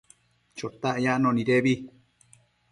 Chotac yacno nidebi